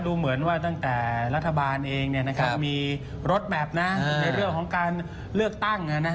ดูเหมือนว่าตั้งแต่รัฐบาลเองมีรถแมพในเรื่องของการเลือกตั้ง